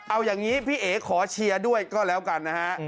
เอาอย่างนี้พี่เอ๋ขอเชียร์ด้วยก็แล้วกันนะฮะ